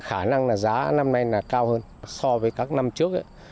khả năng là giá năm nay là cao hơn so với các năm trước